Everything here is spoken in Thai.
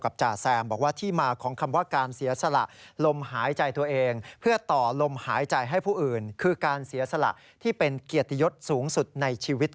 ก็ไม่ต้องตายแต่ถ้าจะตายตายได้แน่พี่ตายด้วยความเสียสละเป็นยิ่งใหญ่จริง